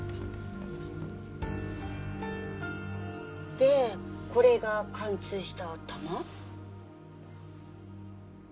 でこれが貫通した弾？